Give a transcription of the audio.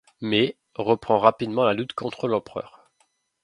Mais, reprend rapidement la lutte contre l'empereur.